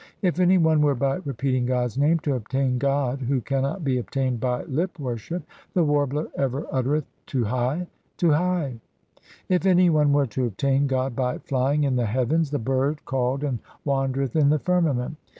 If any one were by repeating God's name to obtain God who cannot be obtained by lip worship l t the warbler ever uttereth ' Tu hi ! tu hi !' If any one were to obtain God by flying in the heavens, the bird called anal wandereth in the firmament.